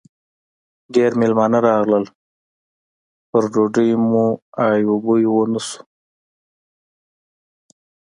ډېر مېلمانه راغلل؛ په ډوډۍ مو ای و بوی و نه شو.